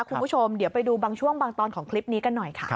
คุณผู้ชมเดี๋ยวไปดูบางช่วงบางตอนของคลิปนี้กันหน่อยค่ะ